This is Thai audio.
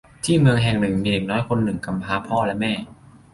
ที่เมืองแห่งหนึ่งมีเด็กน้อยคนหนึ่งกำพร้าพ่อและแม่